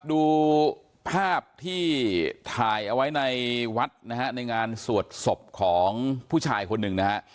ดูภาพที่ถ่ายเอาไว้ในวัดนะฮะในงานสวดศพของผู้ชายคนหนึ่งนะฮะ